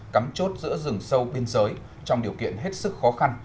cắm chốt giữa rừng sâu biên giới trong điều kiện hết sức khó khăn